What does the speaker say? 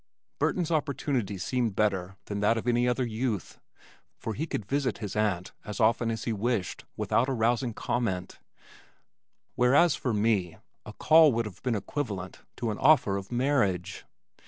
Burton's opportunity seemed better than that of any other youth, for he could visit his aunt as often as he wished without arousing comment, whereas for me, a call would have been equivalent to an offer of marriage.